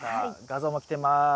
画像も来てます。